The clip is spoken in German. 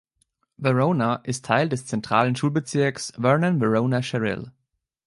Verona ist Teil des zentralen Schulbezirks Vernon-Verona-Sherrill.